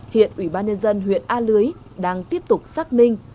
hiện ủy ban nhân dân huyện a lưới đang tiếp tục xác minh